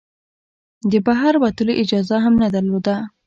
د بهر وتلو اجازه هم نه درلوده.